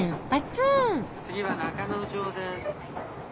「次は中之条です」。